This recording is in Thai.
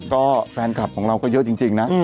ก็แฟนคลับของเราก็เยอะจริงนะ